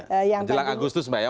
menjelang agustus mbak ya